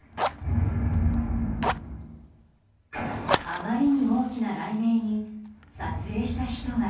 あまりに大きな雷鳴に撮影した人は。